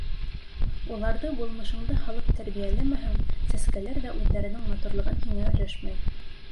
Уларҙы булмышыңды һалып тәрбиәләмәһәң, сәскәләр ҙә үҙҙәренең матурлығын һиңә өләшмәй.